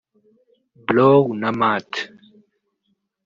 Blow na Matt